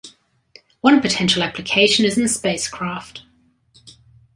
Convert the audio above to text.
One potential application is in spacecraft.